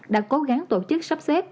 đã cố gắng tổ chức sắp xếp